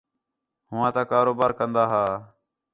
ہوآں تا کاروبار کندا ہا